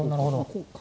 こうか。